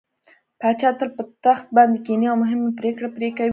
پاچا تل په تخت باندې کيني او مهمې پرېکړې پرې کوي.